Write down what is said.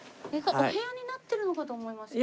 お部屋になってるのかと思いました。